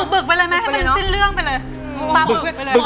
บึกไปเลยไหมให้มันสิ้นเรื่องไปเลย